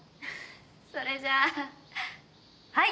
それじゃあはい！